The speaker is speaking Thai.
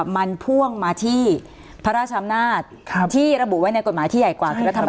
มันพ่วงมาที่พระราชชำนาธิที่ระบุไว้ในกฎหมายที่ใหญ่กว่า